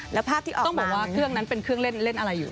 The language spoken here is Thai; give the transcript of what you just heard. แล้วภาพที่ต้องบอกว่าเครื่องนั้นเป็นเครื่องเล่นอะไรอยู่